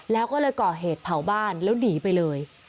แล้วก็เลยก่อเหตุเผาบ้านแล้วหนีไปเลย